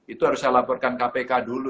itu harus saya laporkan kpk dulu